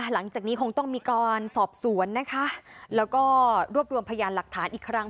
หลังจากนี้คงต้องมีการสอบสวนนะคะแล้วก็รวบรวมพยานหลักฐานอีกครั้ง